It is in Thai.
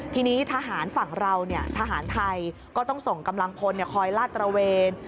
ทีนี้ทหารฝั่งเราทหารไทยก็ต้องส่งกำลังพลคอยลาดตระเวน